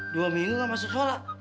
dua minggu nggak masuk sholat